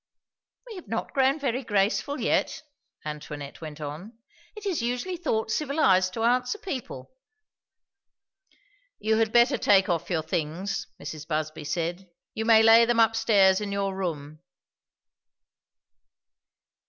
"We have not grown very graceful yet," Antoinette went on. "It is usually thought civilized to answer people." "You had better take off your things," Mrs. Busby said. "You may lay them up stairs in your room."